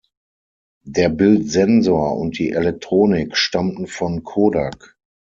Der Bildsensor und die Elektronik stammten von Kodak.